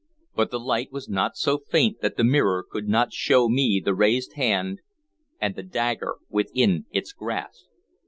But the light was not so faint that the mirror could not show me the raised hand and the dagger within its grasp.